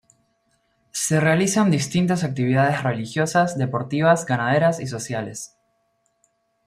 Se realizan distintas actividades religiosas, deportivas, ganaderas y sociales.